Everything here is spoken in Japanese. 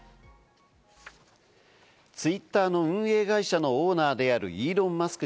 ツイッターの運営会社のオーナーであるイーロン・マスク